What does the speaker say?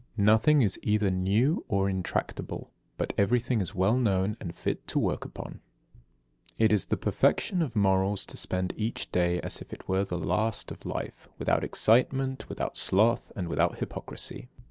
Nothing is either new or intractable, but everything is well known and fit to work upon." 69. It is the perfection of morals to spend each day as if it were the last of life, without excitement, without sloth, and without hypocrisy.